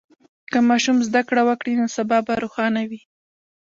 که ماشوم زده کړه وکړي، نو سبا به روښانه وي.